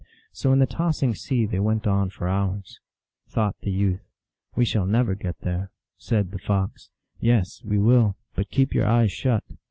So in the tossing sea they went on for hours. Thought the youth, " We shall never get there." Said the Fox, " Yes, we will, but keep your eyes shut."